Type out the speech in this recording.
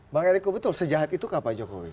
bang ericko betul sejahat itu kah pak jokowi